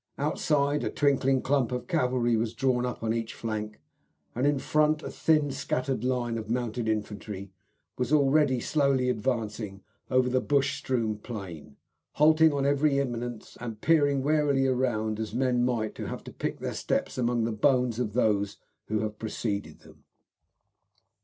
Outside a twinkling clump of cavalry was drawn up on each flank, and in front a thin, scattered line of mounted infantry was already slowly advancing over the bush strewn plain, halting on every eminence, and peering warily round as men might who have to pick their steps among the bones of those who have preceded them.